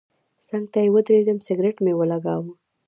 څنګ ته یې ودرېدم سګرټ مې ولګاوه.